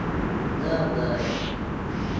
เริ่มเลย !